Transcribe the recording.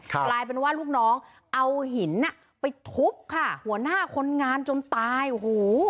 กลายเป็นว่าลูกน้องเอาหินไปทุบค่ะหัวหน้าคนงานจนตายโอ้โห